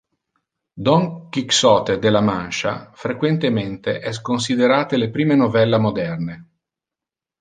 Don Quixote de la Mancha frequentemente es considerate le prime novella moderne.